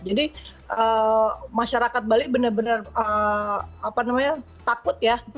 jadi masyarakat bali bener bener takut ya